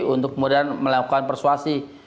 untuk kemudian melakukan persuasi